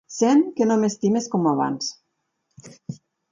Sent que no m'estimes com abans.